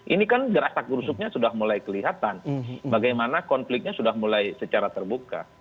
ini kan gerasak gerusuknya sudah mulai kelihatan bagaimana konfliknya sudah mulai secara terbuka